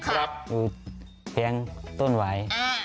เพียงละต้นวาย